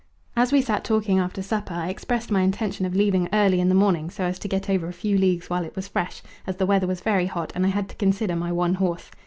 As we sat talking after supper I expressed my intention of leaving early in the morning so as to get over a few leagues while it was fresh, as the weather was very hot and I had to consider my one horse.